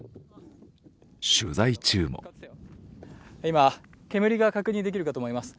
取材中も今、煙が確認できるかと思います